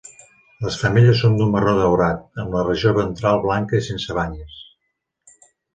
Les femelles són d'un marró daurat, amb la regió ventral blanca i sense banyes.